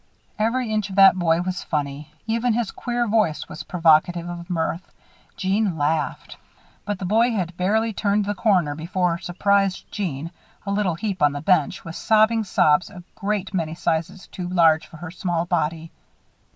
Every inch of that boy was funny. Even his queer voice was provocative of mirth. Jeanne laughed. But the boy had barely turned the corner before surprised Jeanne, a little heap on the bench, was sobbing sobs a great many sizes too large for her small body.